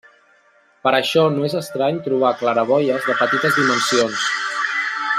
Per això no és estrany trobar claraboies de petites dimensions.